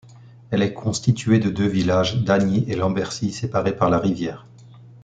Elle est constituée de deux villages, Dagny et Lambercy, séparés par la rivière.